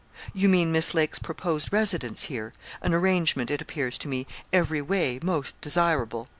'You mean Miss Lake's proposed residence here an arrangement, it appears to me, every way most desirable.'